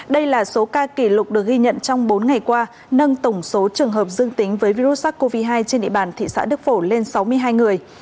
đây là số ca kỷ lục được ghi nhận trong bốn ngày qua nâng tổng số trường hợp dương tính với virus sars cov hai trên địa bàn thị xã đức phổ lên sáu mươi hai người